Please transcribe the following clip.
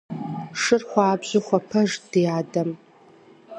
Шыр хуабжьу хуэпэжт ди адэм.